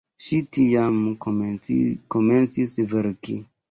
Ŝi tiam komencis verki.